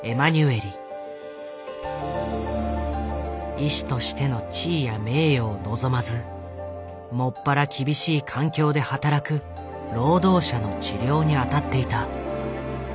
医師としての地位や名誉を望まず専ら厳しい環境で働く労働者の治療に当たっていた。